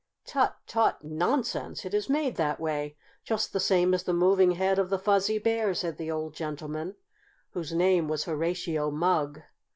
"Tut! Tut! Nonsense! It is made that way, just the same as the moving head of the Fuzzy Bear," said the old gentleman, whose name was Horatio Mugg.